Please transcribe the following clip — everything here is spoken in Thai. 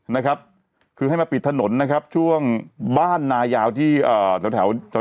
นะครับคือให้มาปิดถนนนะครับช่วงบ้านนายาวที่แถวแถว